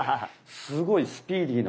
すごいスピーディーな。